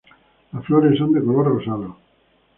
Las flores son de color rosado.